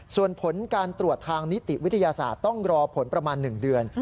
ส่วนผลการตรวจทางนิติวิทยาศาสตร์ต้องรอผลประมาณ๑เดือน